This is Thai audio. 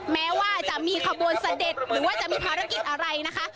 แม้ว่าจะมีขบวนเสด็จหรือว่าจะมีภารกิจอะไรนะคะ